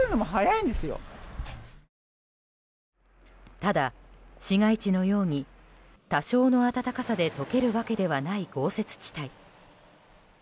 ただ、市街地のように多少の暖かさで解けるわけではない豪雪地帯。